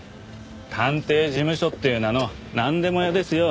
探偵事務所っていう名のなんでも屋ですよ。